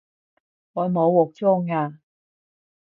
我冇鑊裝吖